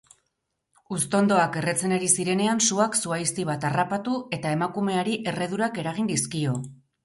Uztondoak erretzen ari zirenean suak zuhaizti bat harrapatu eta emakumeari erredurak eragin dizkio.